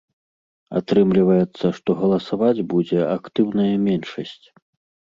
Атрымліваецца, што галасаваць будзе актыўная меншасць.